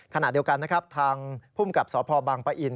ขณะเดียวกันทางผู้มีกับสพวังปะอิ่น